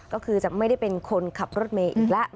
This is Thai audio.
ก็คือจะไม่ได้เป็นคนขับรถเมย์อีกแล้ว